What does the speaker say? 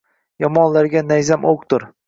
Yomonlarga nayzam o‘qdir